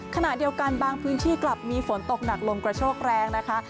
ขณะเดียวกันบางพื้นที่กลับมีฝนตกหนักลมกระโชกแรงนะคะ